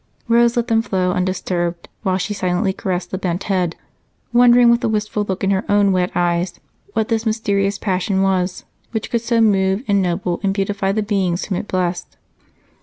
Rose let them flow undisturbed while she silently caressed the bent head, wondering, with a wistful look in her own wet eyes, what this mysterious passion was which could so move, ennoble, and beautify the beings whom it blessed.